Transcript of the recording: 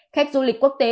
khách du lịch quốc tế